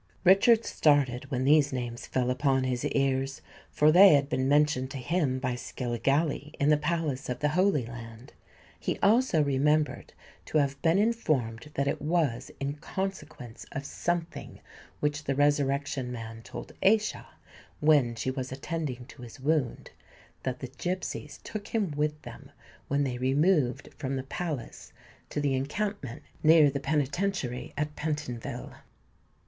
Richard started when these names fell upon his ears; for they had been mentioned to him by Skilligalee in the Palace of the Holy Land. He also remembered to have been informed that it was in consequence of something which the Resurrection Man told Aischa, when she was attending to his wound, that the gipsies took him with them when they removed from the Palace to the encampment near the Penitentiary at Pentonville.